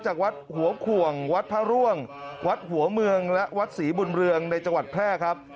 จากวัดหัวขวงวัดพระร่วงวัดหัวเมืองและวัดศรีบุญเรืองในจังหวัดแพร่ครับ